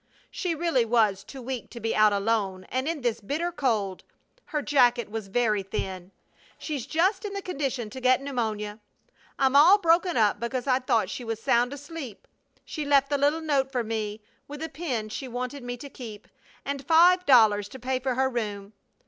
She really was too weak to be out alone; and in this bitter cold! Her jacket was very thin. She's just in the condition to get pneumonia. I'm all broken up because I thought she was sound asleep. She left a little note for me, with a pin she wanted me to keep, and five dollars to pay for her room.